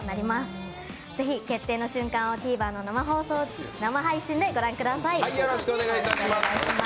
ぜひ、決定の瞬間をＴｖｅｒの生配信でご覧ください。